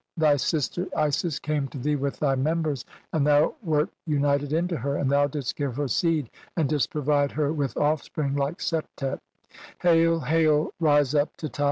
Thy "sister Isis came to thee with thy members, and thou "wert united unto her, and thou didst give her seed "and didst provide her with offspring like Septet." (287) "Hail, hail, rise up, Teta!